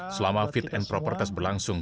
selama fit and proper test berlangsung